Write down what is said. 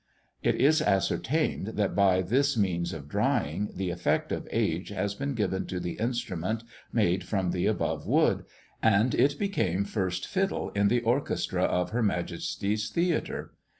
It is ascertained that, by this means of drying, the effect of age has been given to the instrument made from the above wood; and it became first fiddle in the orchestra of Her Majesty's Theatre.